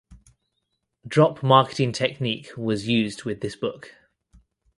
Drop marketing technique was used with this book.